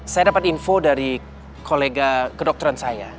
saya dapat info dari kolega kedokteran saya